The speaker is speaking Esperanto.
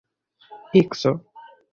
ikso